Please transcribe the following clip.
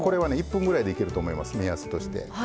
１分ぐらいでいけると思います目安として。